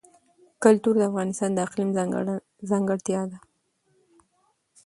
کلتور د افغانستان د اقلیم ځانګړتیا ده.